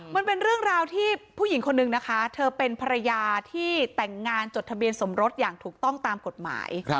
มันเป็นเรื่องราวที่ผู้หญิงคนนึงนะคะเธอเป็นภรรยาที่แต่งงานจดทะเบียนสมรสอย่างถูกต้องตามกฎหมาย